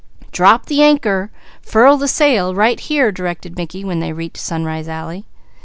"Drop the anchor, furl the sail, right here," directed Mickey when they reached Sunrise Alley.